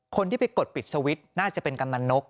คนที่ไปกดปิดสวิตช์น่าจะเป็นกำนันนก